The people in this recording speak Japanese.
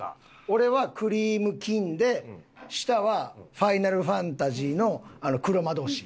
俺はクリーム金で下は『ファイナルファンタジー』の黒魔道士。